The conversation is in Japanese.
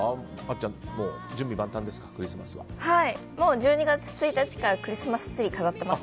１２月１日からクリスマスツリーを飾ってます。